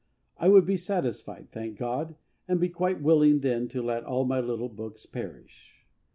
I would be satisfied, thank God, and be quite willing then to let all my little books perish.